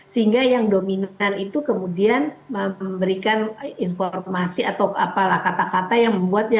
sehingga yang dominan itu kemudian memberikan informasi atau apalah kata kata yang membuatnya